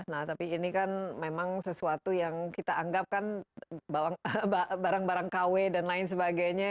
nah tapi ini kan memang sesuatu yang kita anggap kan barang barang kw dan lain sebagainya